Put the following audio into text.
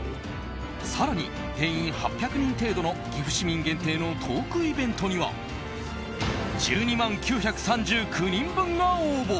更に、定員８００人程度の岐阜市民限定のトークイベントには１２万９３９人分が応募。